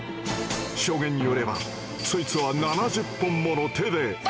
証言によればそいつは七十本もの手で。